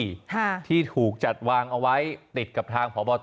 เยอะเป็นที่มีนักเกาอี้ที่ถูกจัดวางเอาไว้ติดกับทางพบต